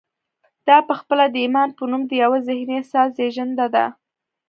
دا پخپله د ایمان په نوم د یوه ذهني احساس زېږنده ده